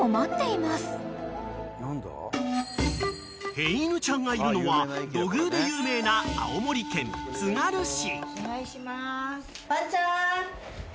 ［変犬ちゃんがいるのは土偶で有名な青森県つがる市］